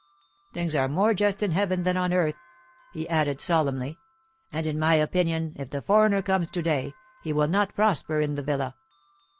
Things are more just in heaven than on earth,' he added solemnly; 'and in my opinion, if the foreigner comes to day, he will not prosper in the villa.